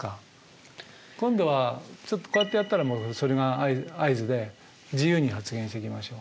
今度はちょっとこうやってやったらそれが合図で自由に発言していきましょう。